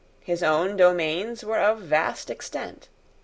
His own domains were of vast extent.